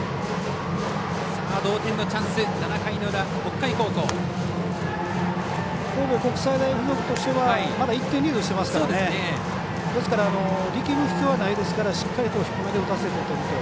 神戸国際大付属としてはまだ１点リードしていますから力む必要はないですからしっかりと低めで打たせてとると。